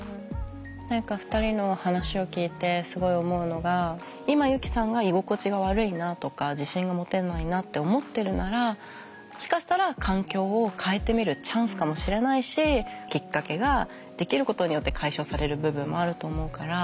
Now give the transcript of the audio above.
何か２人の話を聞いてすごい思うのが今ユキさんが居心地が悪いなとか自信が持てないなって思ってるならもしかしたら環境を変えてみるチャンスかもしれないしきっかけができることによって解消される部分もあると思うから。